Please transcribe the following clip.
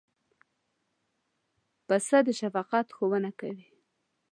پسه د شفقت ښوونه کوي.